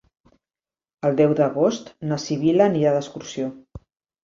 El deu d'agost na Sibil·la anirà d'excursió.